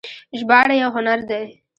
ژباړه یو هنر دی